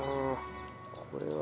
これは。